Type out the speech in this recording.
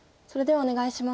お願いします。